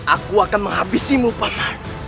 aku akan menghabisimu papa